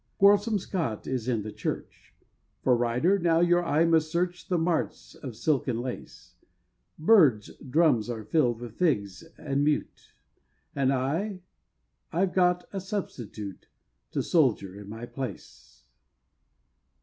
Quarrelsome Scott is in the church, For Ryder now your eye must search The marts of silk and lace Bird's drums are filled with figs, and mute, And I I've got a substitute To Soldier in my place!